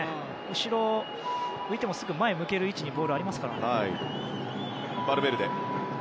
後ろを向いてもすぐに前向ける位置にボールがありますね。